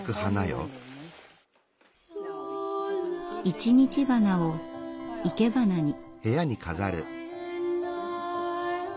一日花を生け花に。